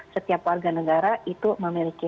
setiap warga negara itu memiliki